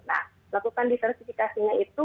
nah lakukan diversifikasinya itu